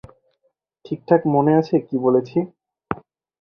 ঠিকঠাক মনে আছে কী বলেছি?